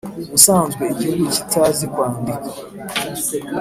ubusanzwe igihugu kitazi kwandika,